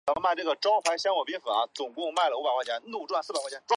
产前诊断包括筛查和诊断性检测。